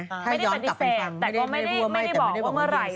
ปฏิเสธแต่ก็ไม่ได้บอกว่าเมื่อไหร่